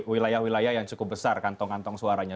wilayah wilayah yang cukup besar kantong kantong suaranya